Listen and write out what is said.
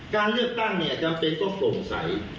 การเลือกตั้งเนี่ยจำเป็นต้องโปร่งใส